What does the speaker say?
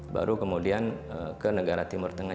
baru kemudian ke negara timur tengah